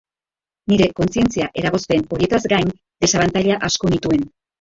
Nire kontzientzia-eragozpen horietaz gain, desabantaila asko nituen.